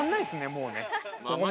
もうね。